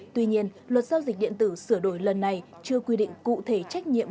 tuy nhiên luật giao dịch điện tử sửa đổi lần này chưa quy định cụ thể trách nhiệm